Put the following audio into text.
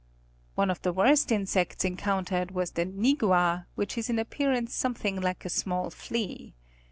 One of the worst insects encountered was the "nigua" which is in appearance something like a small flea.